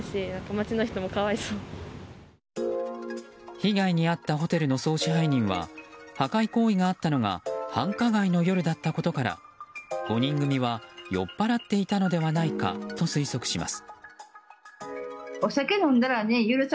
被害に遭ったホテルの総支配人は破壊行為があったのが繁華街の夜だったことから５人組は酔っぱらっていたのではないかと推測します。